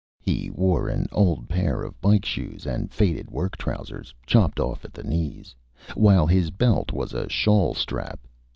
He wore an old Pair of Bike Shoes and faded Work Trousers, chopped off at the Knees, while his Belt was a Shawl Strap.